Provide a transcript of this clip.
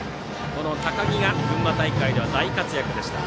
この高木が群馬大会では大活躍でした。